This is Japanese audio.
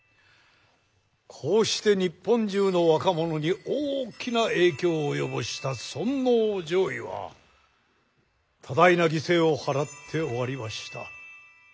こうして日本中の若者に大きな影響を及ぼした尊王攘夷は多大な犠牲を払って終わりました。